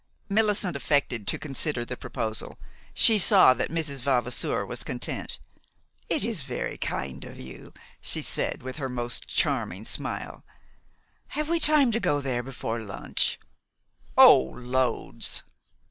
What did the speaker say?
Millicent affected to consider the proposal. She saw that Mrs. Vavasour was content. "It is very kind of you," she said, with her most charming smile. "Have we time to go there before lunch?" "Oh, loads."